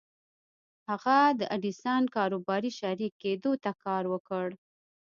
هغه د ايډېسن کاروباري شريک کېدو ته کار وکړ.